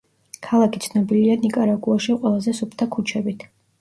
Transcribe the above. ქალაქი ცნობილია ნიკარაგუაში ყველაზე სუფთა ქუჩებით.